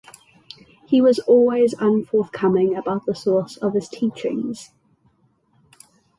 He was always unforthcoming about the source of his teachings.